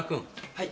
はい。